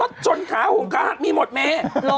รอดจนขาวของข้ามีหมดไหม